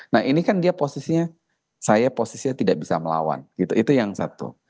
nah ini kan dia posisinya saya posisinya tidak bisa melawan gitu itu yang satu